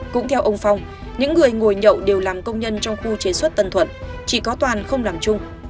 cũng theo ông phong những người ngồi nhậu đều làm công nhân trong khu chế xuất tân thuận chỉ có toàn không làm chung